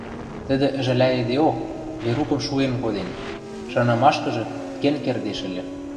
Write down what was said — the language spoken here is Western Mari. тӹдӹ, ӹжӓлӓйӹдеок, Верукым шуэн коден, шанымашкыжы кен кердеш ыльы.